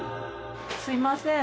すいません。